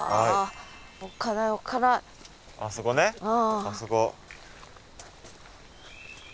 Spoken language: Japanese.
あそこねあそこ。